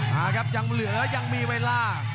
มาครับยังเหลือยังมีเวลา